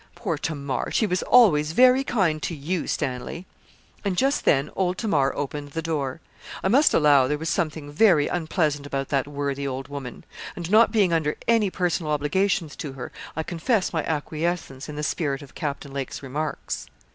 Poor Tamar! she was always very kind to you, Stanley.' And just then old Tamar opened the door. I must allow there was something very unpleasant about that worthy old woman; and not being under any personal obligations to her, I confess my acquiescence in the spirit of Captain Lake's remarks.